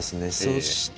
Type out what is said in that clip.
そして、